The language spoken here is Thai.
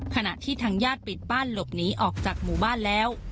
ขณะที่ทางญาติปิดบ้านหลบหนีออกจากหมู่บ้านแล้ว